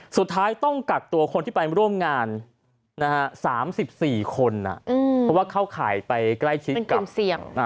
สุดท้ายต้องกักตัวคนที่ไปร่วมงาน๓๔คนเพราะว่าเข้าข่ายไปใกล้ชิดกับความเสี่ยง